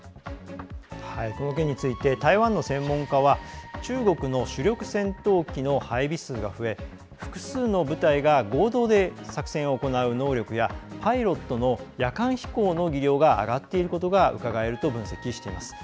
この件について台湾の専門家は中国の主力戦闘機の配備数が増え複数の部隊が合同で作戦を行う能力やパイロットの夜間飛行の技量が上がっていることがうかがえると分析しています。